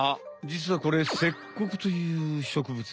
じつはこれセッコクという植物。